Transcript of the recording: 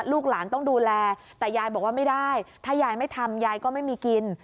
ลูกหลานต้องดูแลแต่ยายบอกว่าไม่ได้ถ้ายายไม่ทำยายก็ไม่มีกิน